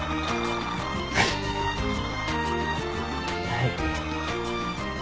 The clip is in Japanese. はい。